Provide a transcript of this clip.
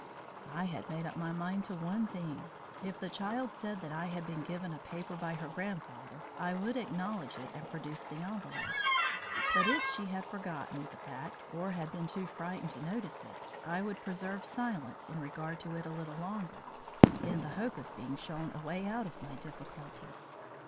I had made up my mind to one thing. If the child said that I had been given a paper by her grandfather I would acknowledge it and produce the envelope. But if she had forgotten the fact or had been too frightened to notice it, I would preserve silence in regard to it a little longer, in the hope of being shown a way out of my difficulty.